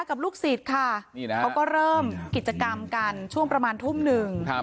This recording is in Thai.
ก็มีกิจกรรมกันช่วงประมาณทุ่มหนึ่ง